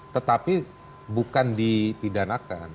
tetapi bukan dipidanakan